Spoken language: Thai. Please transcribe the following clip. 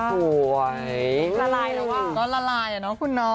สวยละลายระวินก็ละลายอ่ะเนาะคุณน้อง